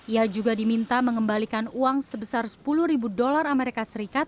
ia juga diminta mengembalikan uang sebesar sepuluh ribu dolar amerika serikat